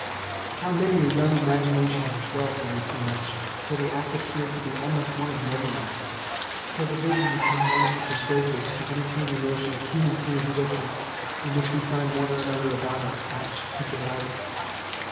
How many a young imagination has dwelt on this image till the act appeared to be almost one of memory, — till the vision became one of the per suasives to entertain the notion of human pre LIFE TO THE INVALID. 65 ^ existence, in which we find one or another about lis apt to delight